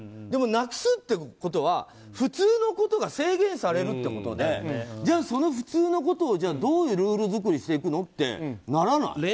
でも、なくすってことは普通のことが制限されるってことでじゃあ、その普通のことをどういうルール作りしていくのってならない？